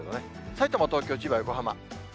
さいたま、東京、千葉、横浜。